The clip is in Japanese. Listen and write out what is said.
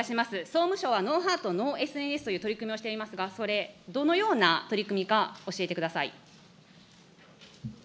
総務省はＮｏｈｅａｒｔＮｏＳＮＳという取り組みをしていますが、それ、どのような取り組みか教えてください。